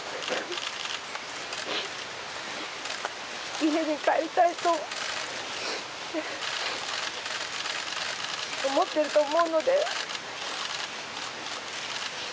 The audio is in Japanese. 家に帰りたいと思ってると思うので。